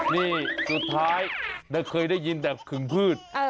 นี่สุดท้ายเคยได้ยินแต่ขึงพืช